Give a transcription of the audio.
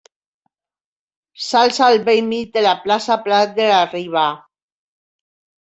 S'alça al bell mig de la plaça Prat de la Riba.